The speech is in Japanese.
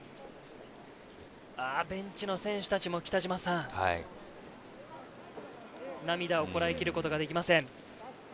ベンチの選手たちも涙をこらえきることができません。